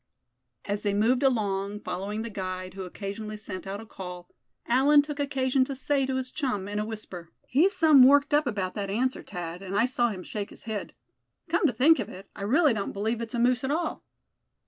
As they moved along, following the guide, who occasionally sent out a call, Allan took occasion to say to his chum in a whisper: "He's some worked up about that answer, Thad, and I saw him shake his head. Come to think of it, I really don't believe it's a moose at all."